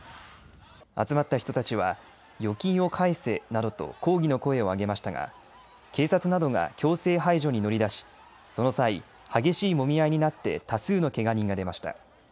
集まった人たちは預金を返せなどと抗議の声を上げましたが警察などが強制排除に乗り出しその際、激しいもみ合いになって多数のけが人が出ました。